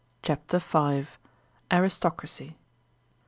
CHAPTER V. Aristocracy.